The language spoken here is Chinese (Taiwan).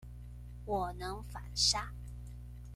我能反殺